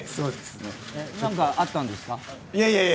何かあったんですか。